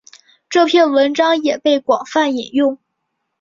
这篇文章也被广泛引用。